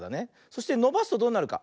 そしてのばすとどうなるか。